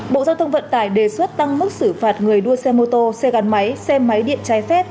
bộ giao thông vận tải đề xuất tăng mức xử phạt người đua xe mô tô xe gắn máy xe máy điện trái phép